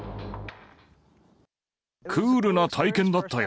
クールな体験だったよ。